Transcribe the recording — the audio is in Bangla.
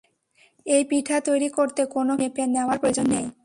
এই পিঠা তৈরি করতে কোনো কিছুই মেপে নেওয়ার প্রয়োজন নেই।